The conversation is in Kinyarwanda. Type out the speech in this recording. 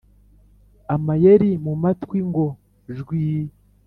Amajeri mu matwi ngo jwi